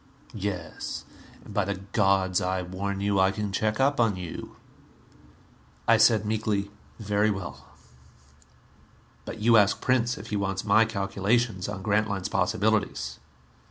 "Yes. And by the gods, I warn you, I can check up on you!" I said meekly, "Very well. But you ask Prince if he wants my calculations on Grantline's possibilities."